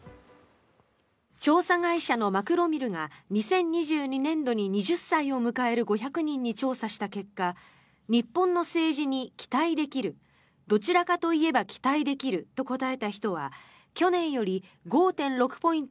調査会社のマクロミルが２０２２年度に２０歳を迎える５００人に調査した結果日本の政治に期待できるどちらかといえば期待できると答えた人は去年より５．６ポイント